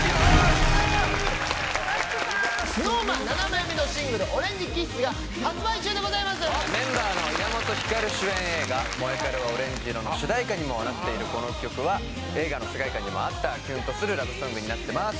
７枚目のシングル「オレンジｋｉｓｓ」が発売中でございますメンバーの岩本照主演映画「モエカレはオレンジ色」の主題歌にもなっているこの曲は映画の世界観にも合ったキュンとするラブソングになってます